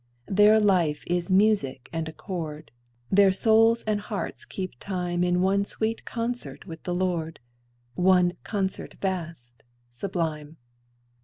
Their life is music and accord; Their souls and hearts keep time In one sweet concert with the Lord, One concert vast, sublime.